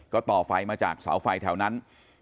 ก็ต่อไฟมาจากเสาไฟแถวนั้น